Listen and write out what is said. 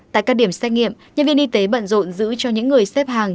tại các điểm xét nghiệm nhân viên y tế bận rộn giữ cho những người xếp hàng